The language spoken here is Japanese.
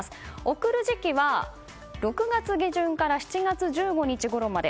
贈る時期は６月下旬から７月１５日ごろまで。